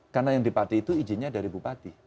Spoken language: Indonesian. karena yang dipati itu izinnya dari bupati